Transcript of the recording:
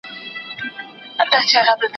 دا دلیل د امتیاز نه سي کېدلای